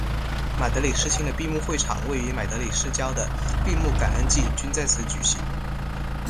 马德里世青的闭幕会场位于马德里市郊的的闭幕感恩祭均在此举行。